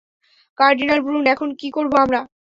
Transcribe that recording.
Cardinal Brun, এখন কী করব আমরা?